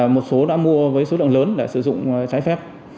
một số đã mua với số lượng lớn để sử dụng trái phép